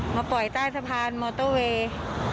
มาปล่อยใต้สะพานมอเตอร์เวย์